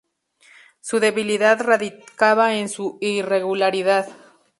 Su debilidad radicaba en su irregularidad.